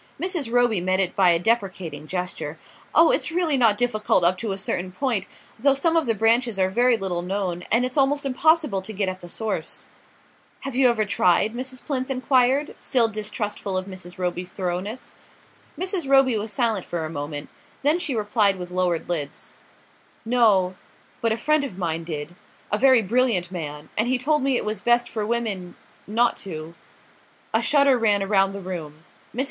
Mrs. Roby met it by a deprecating gesture. "Oh, it's really not difficult up to a certain point; though some of the branches are very little known, and it's almost impossible to get at the source." "Have you ever tried?" Mrs. Plinth enquired, still distrustful of Mrs. Roby's thoroughness. Mrs. Roby was silent for a moment; then she replied with lowered lids: "No but a friend of mine did; a very brilliant man; and he told me it was best for women not to...." A shudder ran around the room. Mrs.